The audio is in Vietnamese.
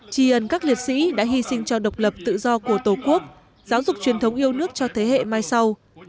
tri ân các liệt sĩ đã hy sinh cho độc lập tự do của tổ quốc giáo dục truyền thống yêu nước cho thế hệ mai sau